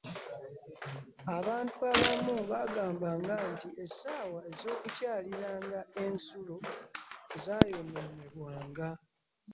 Abantu abamu baagambanga nti essaawa ez'okukyaliranga ensulo zaayonoonebwanga.